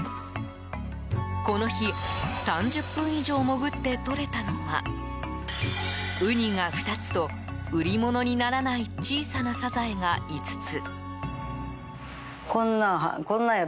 この日３０分以上潜ってとれたのはウニが２つと、売り物にならない小さなサザエが５つ。